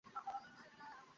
তাদের যেতো দেও।